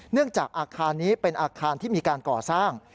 จากอาคารนี้เป็นอาคารที่มีการก่อสร้าง